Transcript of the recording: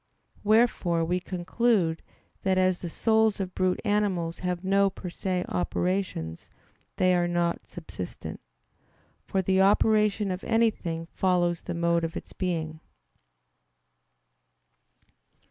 Wherefore we conclude that as the souls of brute animals have no per se operations they are not subsistent. For the operation of anything follows the mode of its being.